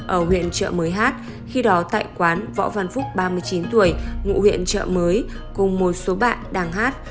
ở huyện chợ mới hát khi đó tại quán võ văn phúc ba mươi chín tuổi ngụ huyện trợ mới cùng một số bạn đang hát